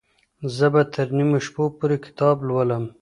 زه به تر نیمو شپو پورې کتاب لولم.